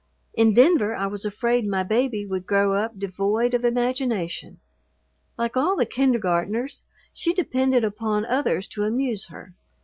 In Denver I was afraid my baby would grow up devoid of imagination. Like all the kindergartners, she depended upon others to amuse her.